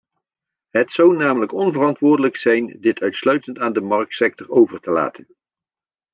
Het zou namelijk onverantwoordelijk zijn dit uitsluitend aan de marktsector over te laten.